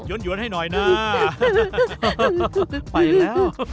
ยนต์ให้หน่อยน่าไปแล้ว